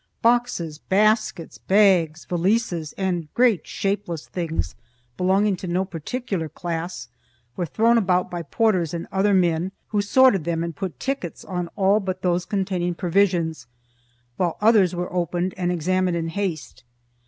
Boxes, baskets, bags, valises, and great, shapeless things belonging to no particular class were thrown about by porters and other men, who sorted them and put tickets on all but those containing provisions, while others were opened and examined in haste.